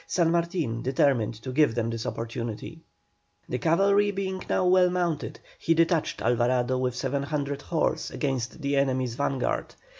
San Martin determined to give them this opportunity. The cavalry being now well mounted, he detached Alvarado with 700 horse against the enemy's vanguard.